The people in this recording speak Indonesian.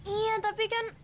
iya tapi kan